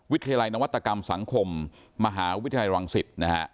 วิทยาลัยนวัตกรรมสังคมมหาวิทยาลัยรังสิตนะฮะ